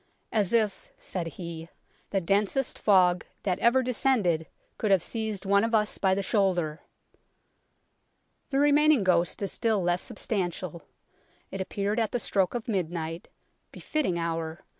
"As if (said he) the densest fog that ever descended could have seized one of us by the shoulder !" The remaining ghost is still less substantial. It appeared at the stroke of midnight befitting hour